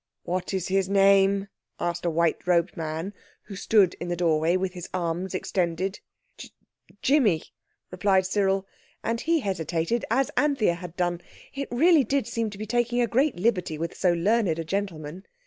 "What is his name?" asked a white robed man who stood in the doorway with his arms extended. "Ji jimmy," replied Cyril, and he hesitated as Anthea had done. It really did seem to be taking a great liberty with so learned a gentleman.